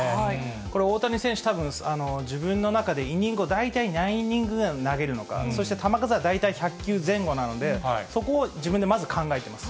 これ、大谷選手、たぶん自分の中でイニングを大体何イニングぐらい投げるのか、そして球数は大体１００球前後なので、そこを自分でまず考えています。